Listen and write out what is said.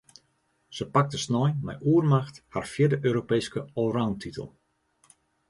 Se pakte snein mei oermacht har fjirde Europeeske allroundtitel.